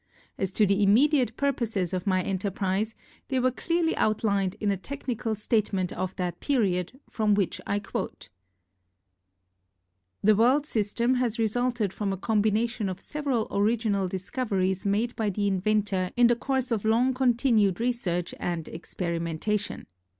As to the immediate purposes of my enter prise, they were clearly outlined in a tech nical statement of that period from which I quote : "The 'World System' has resulted from a com bination of several original discoveries made by the inventor in the course of long continued re search and experimentation.